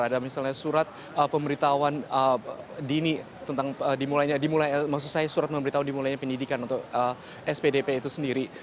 ada misalnya surat pemberitahuan dini maksud saya surat pemberitahuan dimulainya pendidikan untuk spdp itu sendiri